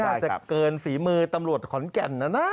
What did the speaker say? มันไม่น่าจะเกินฝีมือตำรวจขอนแก่นน่ะนะ